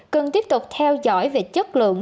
cần tiếp tục theo dõi về chất lượng